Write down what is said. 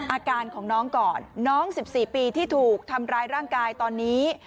อาการของน้องก่อนน้อง๑๔ปีที่ถูกทำร้ายร่างกายตอนนี้